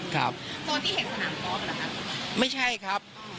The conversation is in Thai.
โซนที่เห็นสนามกอล์กเหรอครับ